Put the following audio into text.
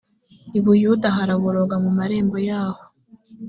i buyuda haraboroga mu marembo yaho